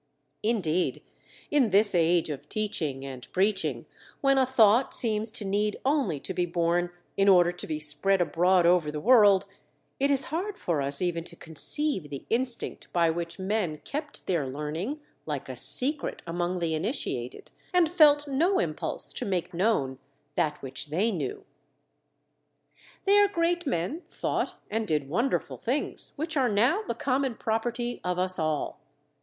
Indeed, in this age of teaching and preaching, when a thought seems to need only to be born in order to be spread abroad over the world, it is hard for us even to conceive the instinct by which men kept their learning like a secret among the initiated and felt no impulse to make known that which they knew. Their great men thought and did wonderful things which are now the common property of us all.